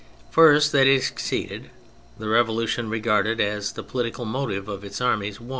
First, that it succeeded : the Revolution, regarded as the political motive of its armies, won.